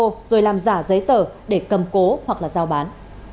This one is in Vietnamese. rồi làm giả giấy tờ để cầm cố hoặc giao bán